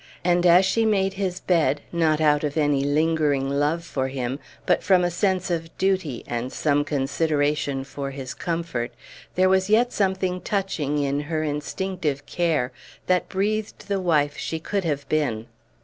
And as she made his bed, not out of any lingering love for him, but from a sense of duty and some consideration for his comfort, there was yet something touching in her instinctive care, that breathed the wife she could have been.